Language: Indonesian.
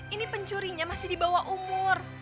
ini pencurinya masih di bawah umur